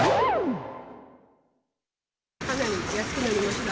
かなり安くなりました。